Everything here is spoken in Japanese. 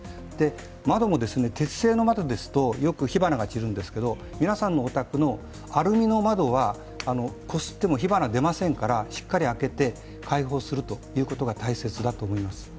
窓も鉄製の窓ですとよく火花が散るんですけど、皆さんのお宅のアルミの窓はこすっても火花は出ませんからしっかり開けて、開放するということが大切だと思います。